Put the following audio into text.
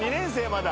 まだ。